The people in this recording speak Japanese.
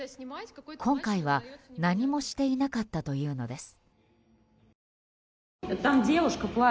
今回は、何もしていなかったというのです。